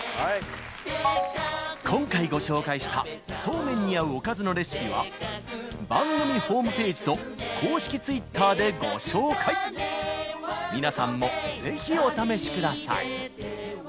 今回ご紹介したそうめんに合うおかずのレシピは番組ホームページと公式Ｔｗｉｔｔｅｒでご紹介皆さんもぜひお試しください